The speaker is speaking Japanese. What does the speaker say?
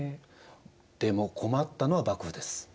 でも困ったのは幕府です。